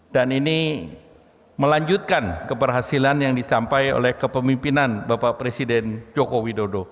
dan ini melanjutkan keberhasilan yang disampai oleh kepemimpinan bapak presiden joko widodo